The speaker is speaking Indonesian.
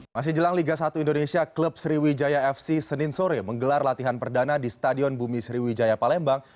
masih jelang liga satu indonesia klub sriwijaya fc senin sore menggelar latihan perdana di stadion bumi sriwijaya palembang